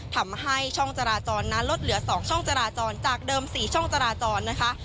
ทำให้ช่องจราจรนั้นลดเหลือ๒ช่องจราจรจากเดิม๔ช่องจราจรนะคะ